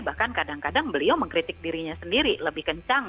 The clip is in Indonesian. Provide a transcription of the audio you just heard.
bahkan kadang kadang beliau mengkritik dirinya sendiri lebih kencang